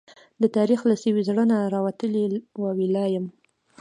د تاريخ له سوي زړه نه، راوتلې واوي لا يم